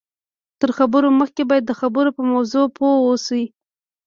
تر خبرو مخکې باید د خبرو په موضوع پوه واوسئ